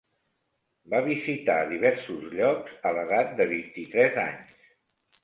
Va visitar diversos llocs a l'edat de vint-i-tres anys.